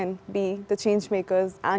kita bisa menjadi pembuat perubahan